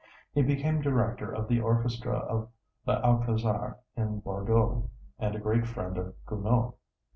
He became director of the orchestra of L'Alcazar in Bordeaux, and a great friend of Gounod.